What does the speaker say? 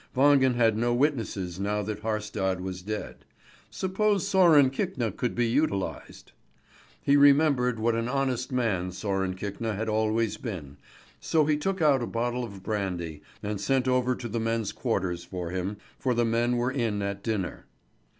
Wangen had no witnesses now that Haarstad was dead. Suppose Sören Kvikne could be utilised! He remembered what an honest man Sören Kvikne had always been, so he took out a bottle of brandy, and sent over to the men's quarters for him, for the men were in at dinner.